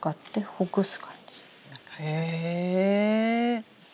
へえ。